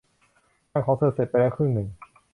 งานของเธอเสร็จไปแล้วครึ่งหนึ่ง